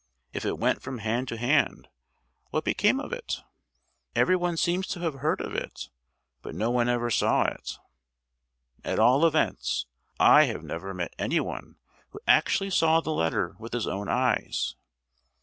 If it went from hand to hand what became of it? Everyone seems to have heard of it, but no one ever saw it! At all events, I have never met anyone who actually saw the letter with his own eyes.